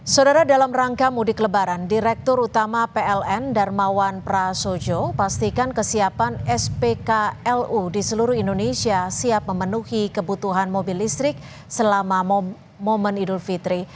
saudara dalam rangka mudik lebaran direktur utama pln darmawan prasojo pastikan kesiapan spklu di seluruh indonesia siap memenuhi kebutuhan mobil listrik selama momen idul fitri